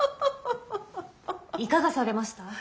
いかがされました？